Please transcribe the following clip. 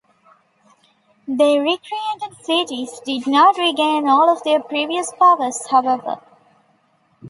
The recreated cities did not regain all of their previous powers, however.